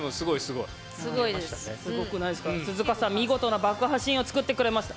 寿々歌さん、見事な爆破シーン作ってくれました。